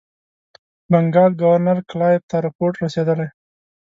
بنکال ګورنر کلایف ته رپوټ رسېدلی.